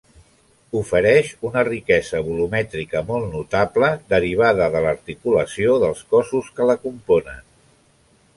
Ofereix una riquesa volumètrica molt notable derivada de l'articulació dels cossos que la componen.